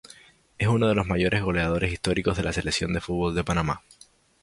Es uno de los mayores goleadores históricos de la Selección de fútbol de Panamá.